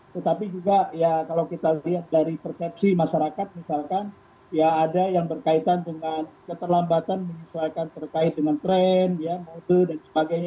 tetapi juga ya kalau kita lihat dari persepsi masyarakat misalkan ya ada yang berkaitan dengan keterlambatan menyesuaikan terkait dengan tren modu dan sebagainya